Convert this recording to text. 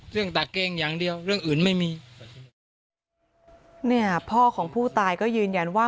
ตะเกงอย่างเดียวเรื่องอื่นไม่มีเนี่ยพ่อของผู้ตายก็ยืนยันว่า